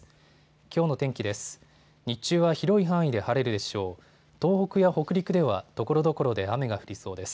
きょうの天気です。